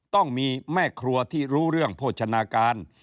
ต้องมีแม่ครัวที่รู้เรื่องโภชนาการ